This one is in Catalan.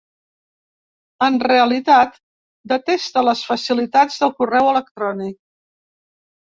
En realitat, detesta les facilitats del correu electrònic.